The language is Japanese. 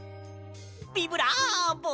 ビブラボ！